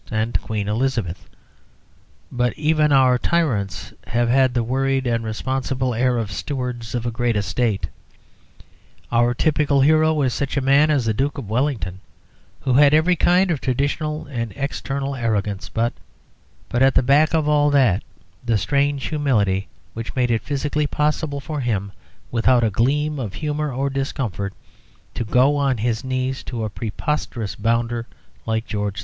and Queen Elizabeth, but even our tyrants have had the worried and responsible air of stewards of a great estate. Our typical hero is such a man as the Duke of Wellington, who had every kind of traditional and external arrogance, but at the back of all that the strange humility which made it physically possible for him without a gleam of humour or discomfort to go on his knees to a preposterous bounder like George IV.